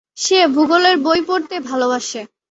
সে ভূগোলের বই পড়তে ভালবাসে।